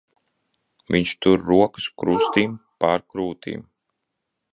Viņš tur rokas krustīm pār krūtīm.